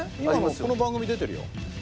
この番組出てるよ。